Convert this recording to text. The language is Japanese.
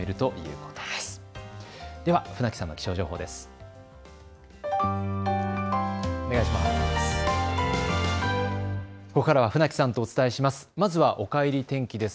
ここからは船木さんとお伝えします。